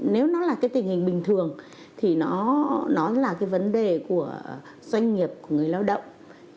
nếu nó là tình hình bình thường thì nó là vấn đề của doanh nghiệp người lao động